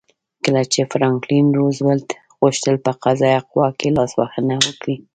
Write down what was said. کله چې فرانکلین روزولټ غوښتل په قضایه قوه کې لاسوهنه وکړي.